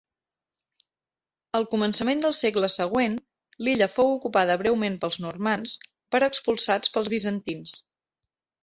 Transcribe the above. Al començament del segle següent, l'illa fou ocupada breument pels normands, però expulsats pels bizantins.